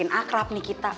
biar makin akrab nih kita